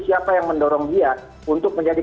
siapa yang mendorong dia untuk menjadi